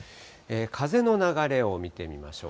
風の流れを見てみましょう。